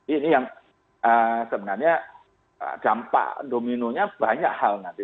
ini yang sebenarnya dampak dominonya banyak hal nanti